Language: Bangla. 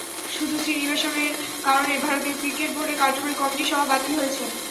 শুধু শ্রীনিবাসনের কারণে ভারতীয় ক্রিকেট বোর্ডের কার্যকরী কমিটির সভা বাতিল হয়েছে।